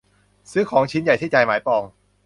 ซื้อของชิ้นใหญ่ที่ใจหมายปอง